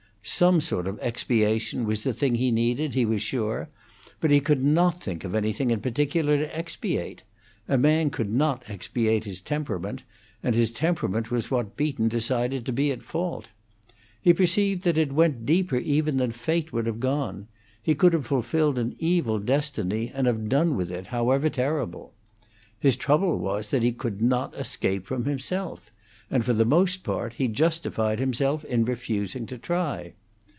Some sort of expiation was the thing he needed, he was sure; but he could not think of anything in particular to expiate; a man could not expiate his temperament, and his temperament was what Beaton decided to be at fault. He perceived that it went deeper than even fate would have gone; he could have fulfilled an evil destiny and had done with it, however terrible. His trouble was that he could not escape from himself; and, for the most part, he justified himself in refusing to try.